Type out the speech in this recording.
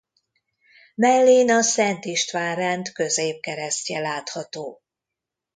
Mellén a Szent István-rend középkeresztje látható.